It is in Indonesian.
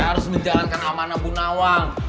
saya harus menjalankan alman abu nawang